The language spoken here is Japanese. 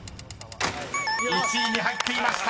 ［１位に入っていました。